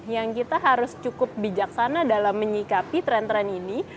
yang kita harus cukup bijaksana dalam menyikapi tren tren ini